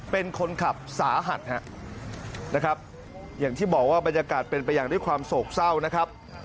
เป็นคนขับสาหัสนะครับอย่างที่บอกว่าบรรยากาศเป็นไปอย่างด้วยความโศกเศร้านะครับ